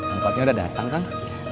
angkotnya udah datang kang